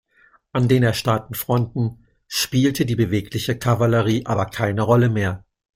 An den erstarrten Fronten spielte die bewegliche Kavallerie aber keine Rolle mehr.